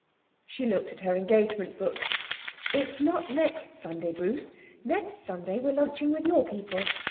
She looked at her engagement book. 'It's not next Sunday, Bruce. Next Sunday we're lunching with your people.